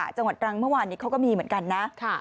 จังหวัดตรังเมื่อวานนี้เขาก็มีเหมือนกันนะ